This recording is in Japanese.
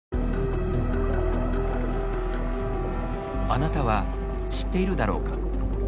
あなたは知っているだろうか。